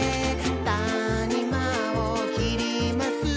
「たにまをきります」